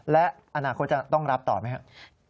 และอนาคตจะต้องรับต่อไหมครับ